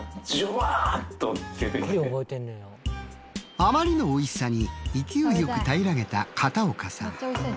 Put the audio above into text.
あまりのおいしさに勢いよく平らげた片岡さん。